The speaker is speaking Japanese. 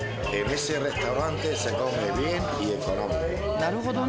なるほどね。